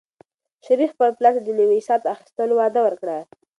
شریف خپل پلار ته د نوي ساعت اخیستلو وعده ورکړه.